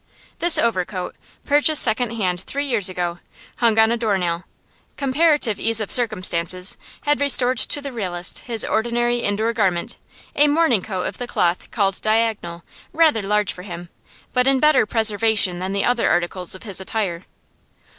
This overcoat, purchased second hand three years ago, hung on a door nail. Comparative ease of circumstances had restored to the realist his ordinary indoor garment a morning coat of the cloth called diagonal, rather large for him, but in better preservation than the other articles of his attire.